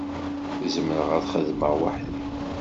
Zemreɣ ad t-xedmeɣ weḥd-i.